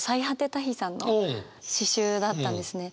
タヒさんの詩集だったんですね。